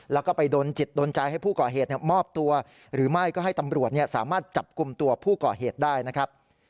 แล้วก็ไปดนจิตโดนใจให้ผู้ก่อเหตุมอบตัวหรือไม่ก็ให้ตำรวจสามารถจับกลุ่มตัวผู้ก่อเหตุได้นะครับ